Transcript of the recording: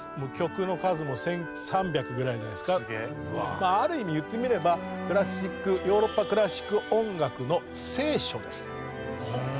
まあある意味言ってみればヨーロッパクラシック音楽の聖書です。